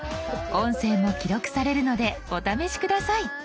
音声も記録されるのでお試し下さい。